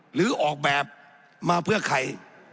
หรือออกแบบมาเพื่อใคร